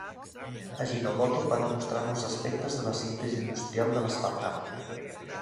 Ajinomoto va demostrar molts aspectes de la síntesi industrial de l'aspartam.